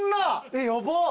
えっヤバッ。